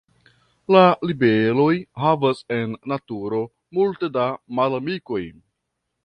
La libeloj havas en naturo multe da malamikoj.